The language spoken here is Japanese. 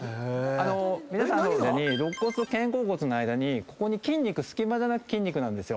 皆さんの腕に肋骨と肩甲骨の間に筋肉隙間がなく筋肉なんですよ。